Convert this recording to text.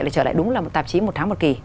để trở lại đúng là một tạp chí một tháng một kỳ